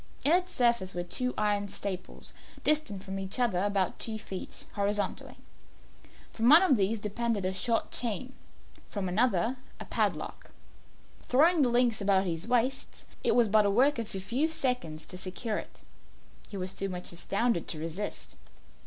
In its surface were two iron staples, distant from each other about two feet, horizontally. From one of these depended a short chain, from the other a padlock. Throwing the links about his waist, it was but the work of a few seconds to secure it. He was too much astounded to resist.